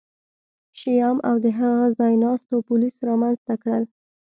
شیام او د هغه ځایناستو پولیس رامنځته کړل